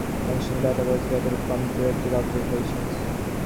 Additional data was gathered from direct observations.